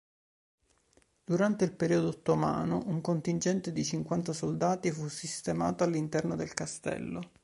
Durante il periodo ottomano, un contingente di cinquanta soldati fu sistemato all'interno del castello.